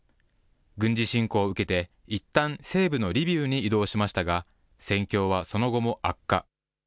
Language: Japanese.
軍事侵攻を受けて、いったん、西部のリビウに移動しましたが、戦況はその後も悪化。